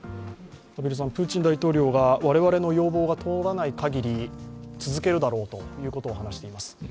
プーチン大統領が我々の要望が通らないかぎり続けるだろうということを話しています。